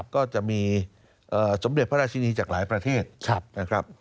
ก็จะมีสมเด็จพระราชินีจากหลายประเทศนะครับ